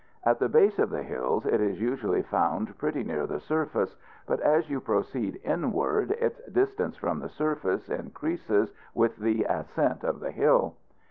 At the base of the hills it is usually found pretty near the surface; but as you proceed inward its distance from the surface increases with the ascent of the hill.